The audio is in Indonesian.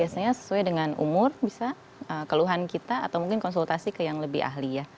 biasanya sesuai dengan umur bisa keluhan kita atau mungkin konsultasi ke yang lebih ahli ya